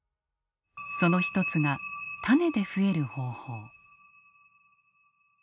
その一つが種で増える方法。